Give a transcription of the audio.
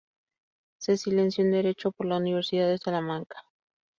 Se licenció en Derecho por la Universidad de Salamanca.